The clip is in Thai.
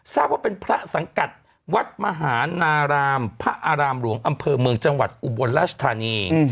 ทราบว่าเป็นพระสังกัดวัดมหานารามพระอารามหลวงอำเภอเมืองจังหวัดอุบลราชธานี